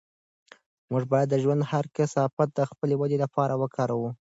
موږ باید د ژوند هر کثافت د خپلې ودې لپاره وکاروو.